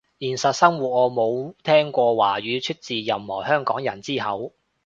現實生活我冇聽過華語出自任何香港人之口